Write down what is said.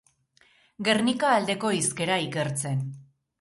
Gernika aldeko hizkera ikertzen.